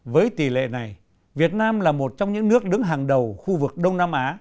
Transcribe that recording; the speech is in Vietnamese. với tỷ lệ này việt nam là một trong những nước đứng hàng đầu khu vực đông nam á